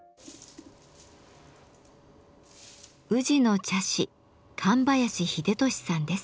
宇治の茶師上林秀敏さんです。